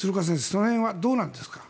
その辺はどうなんですか？